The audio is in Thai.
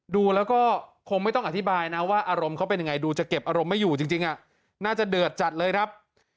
ดูแล้วก็คงไม่ต้องอธิบายนะว่าอารมณ์เขาเป็นยังไงดูจะเก็บอารมณ์ไม่อยู่จริงน่าจะเดือดจัดเลยครับ